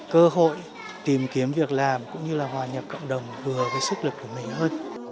cơ hội tìm kiếm việc làm cũng như là hòa nhập cộng đồng vừa với sức lực của mình hơn